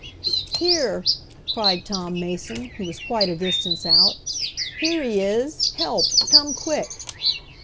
"Here!" cried Tom Mason, who was quite a distance out. "Here he is! Help! come quick!"